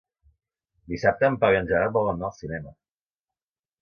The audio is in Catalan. Dissabte en Pau i en Gerard volen anar al cinema.